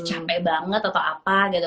capek banget atau apa gitu